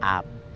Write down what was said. kamu berdua apes